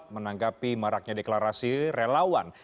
menanggapi maraknya deklarasi relawan